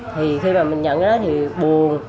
thì khi mà mình nhận cái đó thì buồn